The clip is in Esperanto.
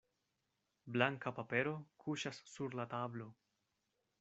Blanka papero kuŝas sur la tablo.